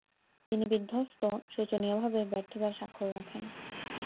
তিনি বিধ্বস্ত, শোচনীয়ভাবে ব্যর্থতার স্বাক্ষর রাখেন।